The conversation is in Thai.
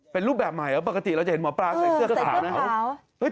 เป็นรูปแบบใหม่เหรอปกติเราจะเห็นหมอปลาใส่เสื้อก็ถามนะครับ